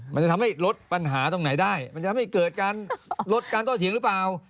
มันจะทำให้ลดปัญหาตรงไหนได้มันจะทำให้เกิดการลดการโต้เถียงหรือเปล่า